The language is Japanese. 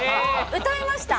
歌いました。